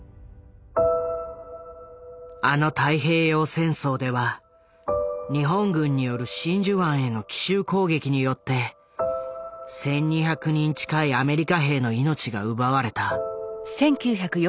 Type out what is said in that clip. あの太平洋戦争では日本軍による真珠湾への奇襲攻撃によって１，２００人近いアメリカ兵の命が奪われた。